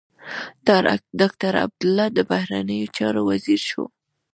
ډاکټر عبدالله د بهرنيو چارو وزیر شو.